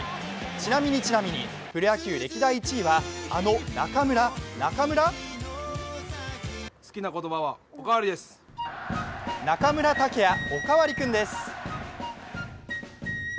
ちなみにちなみに、プロ野球歴代１位は、あの中村中村中村剛也、おかわり君です。